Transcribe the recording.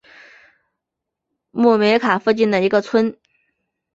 穆梅卡附近的一个村。